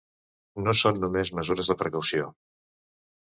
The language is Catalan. No són només mesures de precaució.